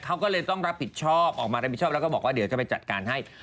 เขาก็เลยต้องรับผิดชอบออกมารับผิดชอบแล้วก็บอกว่าเดี๋ยวจะไปจัดการให้